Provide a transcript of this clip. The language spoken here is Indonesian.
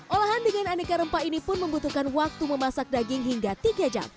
olahan dengan aneka rempah ini pun membutuhkan waktu memasak daging hingga tiga jam